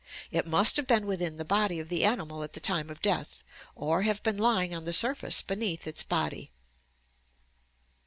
... It must have been within the body of the animal at the time of death, or have been lying on the surface beneath its body."